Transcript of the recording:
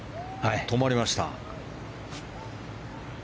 止まりました。